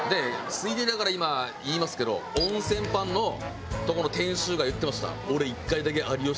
ついでだから今言いますけど温泉パンのとこの店主が言ってました。